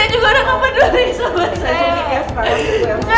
ini tadi aku beliin